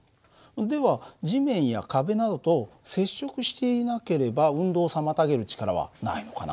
では地面や壁などと接触していなければ運動を妨げる力はないのかな？